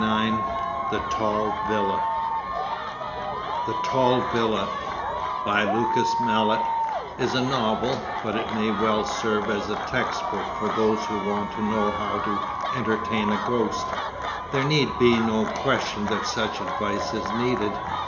XXXIX THE TALL VILLA "The Tall Villa," by Lucas Malet, is a novel, but it may well serve as a textbook for those who want to know how to entertain a ghost. There need be no question that such advice is needed.